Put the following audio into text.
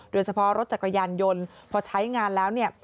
โดยเฉพาะรถจักรยานยนต์พอใช้งานแล้วเนี่ย